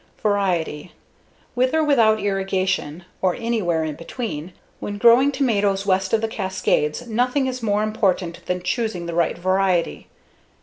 Variety: With or without irrigation or anywhere in between, when growing tomatoes west of the Cascades, nothing is more important than choosing the right variety.